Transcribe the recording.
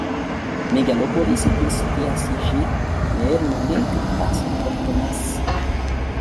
Mégalopolis est une cité assiégée, mais elle ne l'est que par sa propre masse.